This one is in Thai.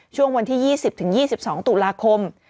ช่วงวันที่๒๐๒๒ตุลาคม